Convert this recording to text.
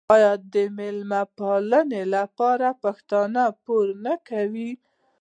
آیا د میلمه پالنې لپاره پښتون پور نه کوي؟